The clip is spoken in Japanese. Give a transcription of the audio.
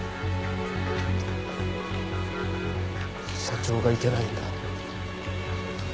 社長がいけないんだ。